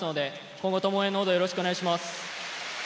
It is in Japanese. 今後とも応援のほど、よろしくお願いします。